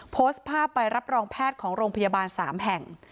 โพสต์ภาพใบรับรองแพทย์ของโรงพยาบาล๓แห่ง